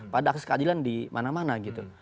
pada akses keadilan di mana mana gitu